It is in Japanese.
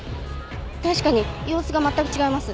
確かに様子が全く違います。